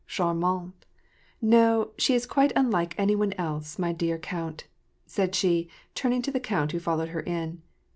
" Charmantel No, she is quite unlike any one else, my dear count," said she, turning to the count, who followed her in.